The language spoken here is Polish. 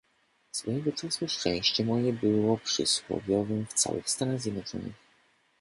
"Swojego czasu szczęście moje było przysłowiowem w całych Stanach Zjednoczonych."